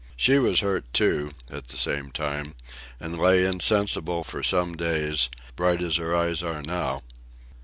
She was hurt too, at the same time, and lay insensible for some days; bright as her eyes are, now.